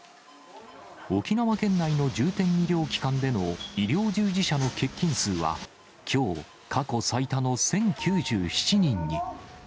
沖縄県内の重点医療機関での医療従事者の欠勤数はきょう、過去最多の１０９７人に。